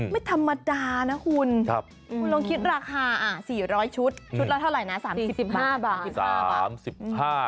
ไม่ธรรมดานะคุณคุณลองคิดราคา๔๐๐ชุดชุดละเท่าไหร่นะ๓๔๕บาท